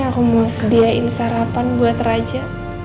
aku mau sediain sarapan buat raja